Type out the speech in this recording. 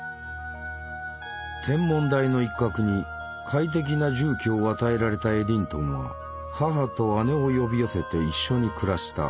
天文台の一角に快適な住居を与えられたエディントンは母と姉を呼び寄せて一緒に暮らした。